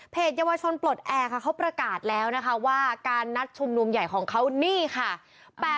เยาวชนปลดแอร์ค่ะเขาประกาศแล้วนะคะว่าการนัดชุมนุมใหญ่ของเขานี่ค่ะ